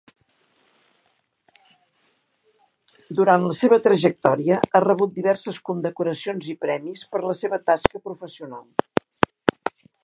Durant la seva trajectòria, ha rebut diverses condecoracions i premis per la seva tasca professional.